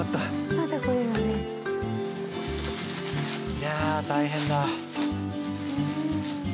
いや大変だ。